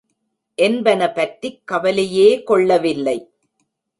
என்பன பற்றிக் கவலையே கொள்ளவில்லை.